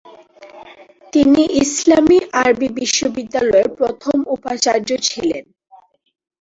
তিনি ইসলামি আরবি বিশ্ববিদ্যালয়ের প্রথম উপাচার্য ছিলেন।